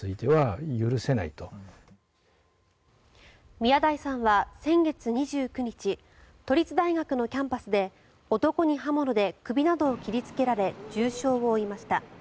宮台さんは先月２９日都立大学のキャンパスで男に刃物で首などを切りつけられ重傷を負いました。